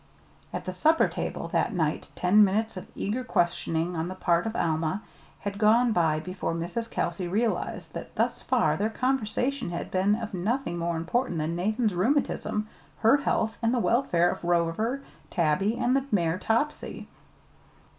At the supper table that night ten minutes of eager questioning on the part of Alma had gone by before Mrs. Kelsey realized that thus far their conversation had been of nothing more important than Nathan's rheumatism, her own health, and the welfare of Rover, Tabby, and the mare Topsy.